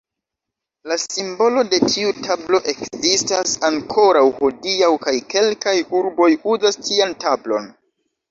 La simbolo de tiu tablo ekzistas ankoraŭ hodiaŭ kaj kelkaj urboj uzas tian tablon.